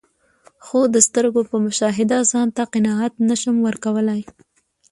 خو د سترګو په مشاهده ځانته قناعت نسم ورکول لای.